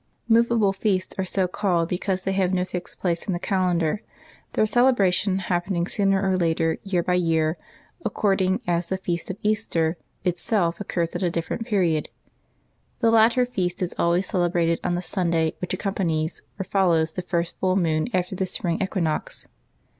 yi\ovABLE FEASTS are so called because they have no fixed M< place in the calendar; their celebration happening sooner or later, year by year, according as the feast of Easter itself occurs at a different period. The latter feast is always celebrated on the Sunday which accompanies or follows the first full moon after the spring equinox.